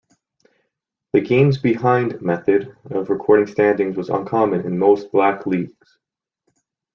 The "games behind" method of recording standings was uncommon in most black leagues.